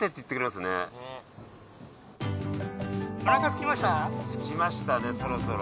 すきましたねそろそろ。